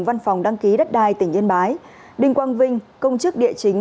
văn phòng đăng ký đất đai tỉnh yên bái đinh quang vinh công chức địa chính